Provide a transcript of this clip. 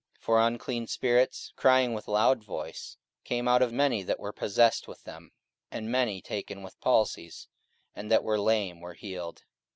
44:008:007 For unclean spirits, crying with loud voice, came out of many that were possessed with them: and many taken with palsies, and that were lame, were healed.